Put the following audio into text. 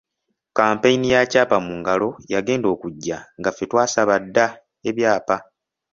Kkampeyini ya ‘Kyapa mu Ngalo’ yagenda okujja nga ffe twasaba dda ebyapa.